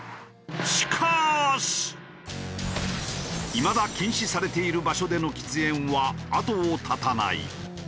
いまだ禁止されている場所での喫煙は後を絶たない。